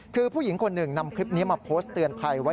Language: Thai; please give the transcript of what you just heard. คือผู้ชายคนหนึ่งที่มาดึงประตูนะครับ